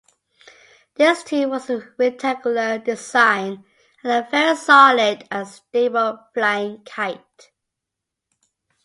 This too was a rectangular design and a very solid and stable flying kite.